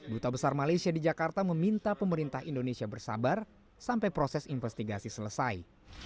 duta besar malaysia di jakarta meminta pemerintah indonesia bersabar sampai proses investigasi selesai